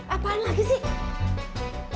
apaan lagi sih